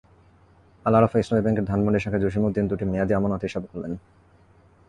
আল-আরাফাহ ইসলামী ব্যাংকের ধানমন্ডি শাখায় জসীমুদ্দিন দুটি মেয়াদি আমানত হিসাব খোলেন।